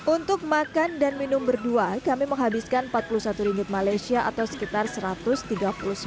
untuk makan dan minum berdua kami menghabiskan rp empat puluh satu atau sekitar rp satu ratus tiga puluh sembilan